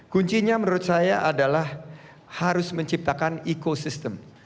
kuncinya menurut saya adalah harus menciptakan ekosistem